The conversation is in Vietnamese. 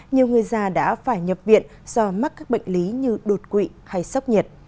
nhiều người già đã phải nhập viện do mắc các bệnh lý như đột quỵ hay sốc nhiệt